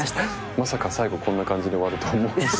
まさか最後こんな感じで終わるとは。